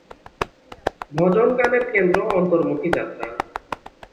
ভজন গানের কেন্দ্র অন্তর্মুখী যাত্রা।